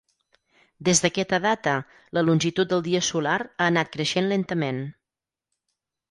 Des d'aquesta data, la longitud del dia solar ha anat creixent lentament.